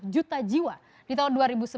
juta jiwa di tahun dua ribu sembilan belas